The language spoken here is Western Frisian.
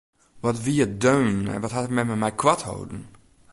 Wat wie er deun en wat hat er mem en my koart holden!